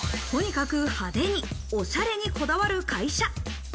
とにかく派手に、おしゃれにこだわる会社。